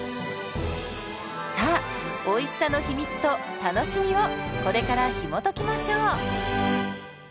さあおいしさの秘密と楽しみをこれからひもときましょう。